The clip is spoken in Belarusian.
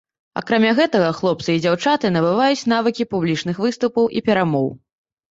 Акрамя гэтага, хлопцы і дзяўчаты набываюць навыкі публічных выступаў і перамоў.